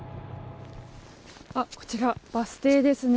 こちら、バス停ですね。